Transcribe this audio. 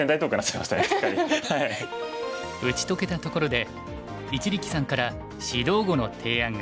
打ち解けたところで一力さんから指導碁の提案が。